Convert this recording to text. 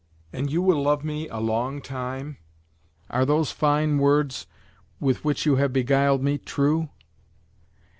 "And you will love me a long time? Are those fine words with which you have beguiled me, true?"